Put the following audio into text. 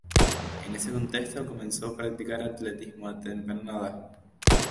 En ese contexto, comenzó practicar atletismo a temprana edad.